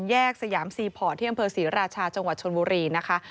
สยามซีพอร์ตที่อำเภอศรีราชาจังหวัดชนบุรีนะคะ